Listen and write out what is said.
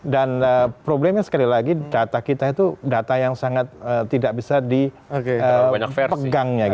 dan problemnya sekali lagi data kita itu data yang sangat tidak bisa dipegang